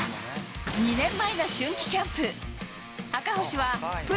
２年前の春季キャンプ。